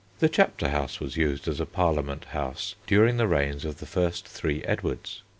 The Chapter House was used as a Parliament house during the reigns of the first three Edwards.